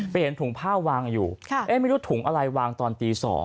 เห็นถุงผ้าวางอยู่ไม่รู้ถุงอะไรวางตอนตี๒